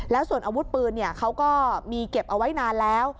แล้วส่วนอาวุธปืนเขาก็มีเก็บเอาไว้นานแล้ว